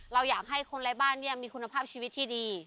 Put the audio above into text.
เราอยากให้คนไร้บ้านเนี่ยมีคุณภาพชีวิตที่ดี